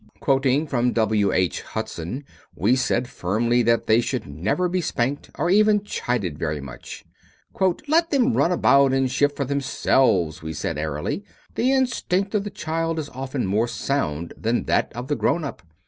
Quoting from W. H. Hudson, we said firmly that they should never be spanked or even chided very much. "Let them run about and shift for themselves," we said airily. "The instinct of the child is often more sound than that of the grown up.